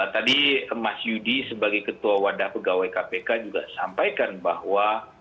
tadi mas yudi sebagai ketua wadah pegawai kpk juga sampaikan bahwa